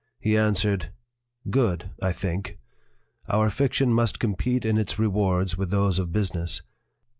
He answered : "Good, I think. Our fiction must compete in its rewards with those of business.